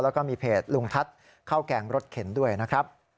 แล้วก็มีเพจลุงทัศน์ข้าวแกงรสเข็นด้วยนะครับ